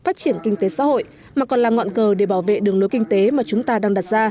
phát triển kinh tế xã hội mà còn là ngọn cờ để bảo vệ đường lối kinh tế mà chúng ta đang đặt ra